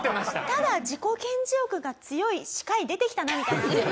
ただ自己顕示欲が強い歯科医出てきたなみたいな。